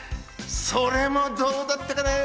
それもどうだったかなぁ。